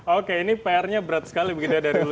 oke ini pr nya berat sekali